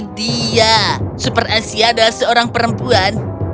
tuhan dia dia super asia adalah seorang perempuan